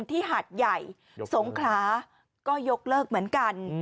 ที่หัดใหญ่โสงคล้าก็ยกเลิกเหมือนกัน